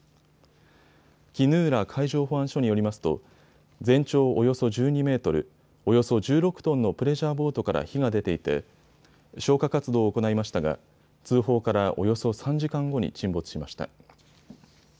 衣浦海上保安署によりますと全長およそ１２メートル、およそ１６トンのプレジャーボートから火が出ていて消火活動を行いましたが通報からおよそ３時間後に沈没しました。